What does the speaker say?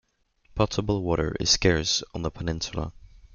Potable water is scarce on the peninsula.